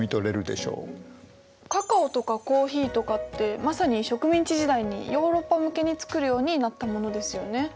カカオとかコーヒーとかってまさに植民地時代にヨーロッパ向けに作るようになったものですよね。